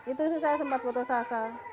itu sih saya sempat putus asa